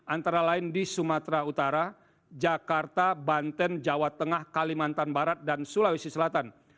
antara lain di sumatera utara jakarta banten jawa tengah kalimantan barat dan sulawesi selatan